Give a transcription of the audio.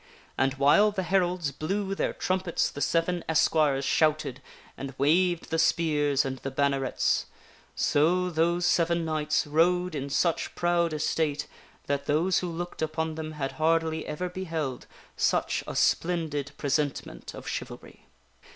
And while the heralds blew their trumpets the seven esquires shouted, and waved the spears and the bannerets. So those seven knights rode in such proud estate that those who looked upon them had hardly ever beheld such a splendid presentment of chivalry.